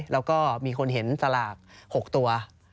แล้วก็มีคนเห็นสลาก๖ตัว